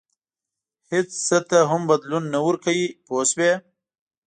هېڅ څه ته هم بدلون نه ورکوي پوه شوې!.